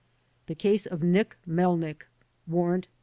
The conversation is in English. The case of Nick Melnick (Warrant No.